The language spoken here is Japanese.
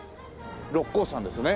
六甲山ですね。